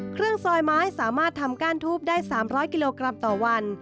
ซอยไม้สามารถทำก้านทูบได้๓๐๐กิโลกรัมต่อวัน